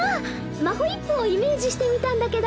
マホイップをイメージしてみたんだけど。